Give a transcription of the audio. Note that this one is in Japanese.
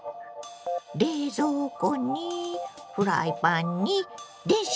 冷蔵庫にフライパンに電子レンジ。